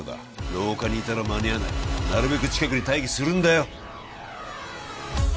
廊下にいたら間に合わないなるべく近くに待機するんだよ